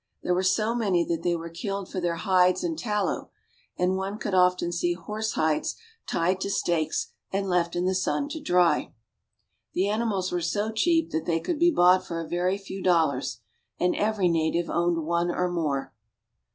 There were so many that they were killed for their hides and tallow, and one could often see horsehides tied to stakes and left in the LIFE ON THE PAMPAS. 179 sun to dry. The animals were so cheap that they could be bought for a very few dollars, and every native owned one or more.